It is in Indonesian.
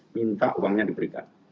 minta uangnya diberikan